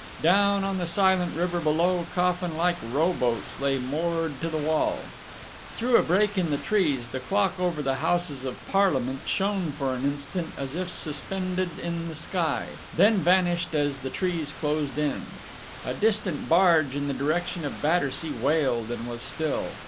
Down on the silent river below, coffin like row boats lay moored to the wall. Through a break in the trees the clock over the Houses of Parliament shone for an instant as if suspended in the sky, then vanished as the trees closed in. A distant barge in the direction of Battersea wailed and was still.